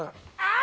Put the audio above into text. あ！